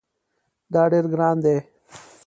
دا ډیر ګران دی